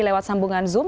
lewat sambungan zoom